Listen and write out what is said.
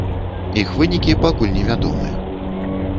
Іх вынікі пакуль невядомыя.